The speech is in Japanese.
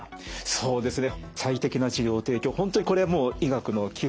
そうですね。